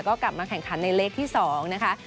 ก็กลับมาแข่งขันในเลขที่๒นะคะ